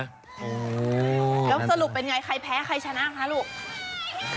สรุปเป็นอย่างไรใครแพ้ใครชนะ